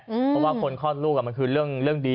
เพราะว่าคนคลอดลูกมันคือเรื่องดี